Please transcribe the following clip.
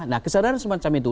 nah kesadaran semacam itu